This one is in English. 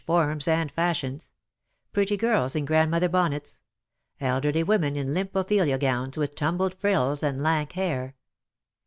213 forms and fashions ; pretty girls in grandmother bonnets; elderly women in limp Ophelia gowns^ with tumbled frills and lank hair.